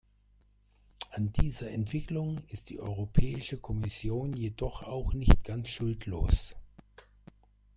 An dieser Entwicklung ist die Europäische Kommission jedoch auch nicht ganz schuldlos!